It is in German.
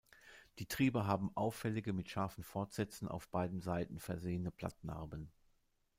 Die Triebe haben auffällige, mit scharfen Fortsätzen auf beiden Seiten versehene Blattnarben.